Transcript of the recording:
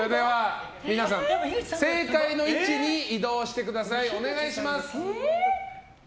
皆さん、正解の位置に移動してください。